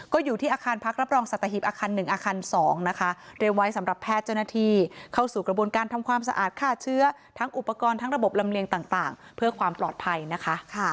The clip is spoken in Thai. ก็อยู่ที่อาคารพักรับรองสัตหิบอาคาร๑อาคาร๒นะคะเตรียมไว้สำหรับแพทย์เจ้าหน้าที่เข้าสู่กระบวนการทำความสะอาดฆ่าเชื้อทั้งอุปกรณ์ทั้งระบบลำเลียงต่างเพื่อความปลอดภัยนะคะ